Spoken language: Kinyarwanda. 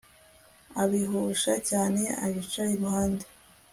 Abihusha cyane abica iruhande